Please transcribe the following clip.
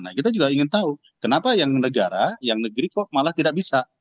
nah kita juga ingin tahu kenapa yang negara yang negeri kok malah tidak bisa